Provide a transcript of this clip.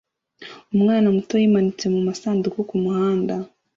Umwana muto yimanitse mumasanduku kumuhanda